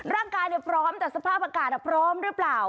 ร่างกายพร้อมแต่สภาพอากาศพร้อมหรือเปล่า